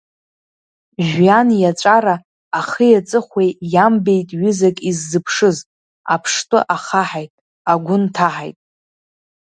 Жәҩан иаҵәара ахи аҵыхәеи иамбеит ҩызак иззыԥшыз, аԥштәы ахаҳаит, агәы нҭаҳаит…